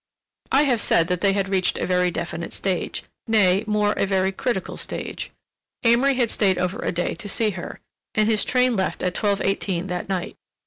I have said they had reached a very definite stage—nay, more, a very critical stage. Amory had stayed over a day to see her, and his train left at twelve eighteen that night.